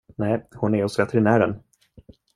Nej, hon är hos veterinären.